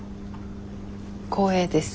光栄です。